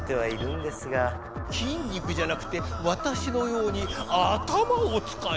きん肉じゃなくてわたしのように頭を使え。